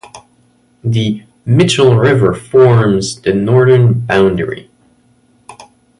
The "Mitchell River" forms the northern boundary.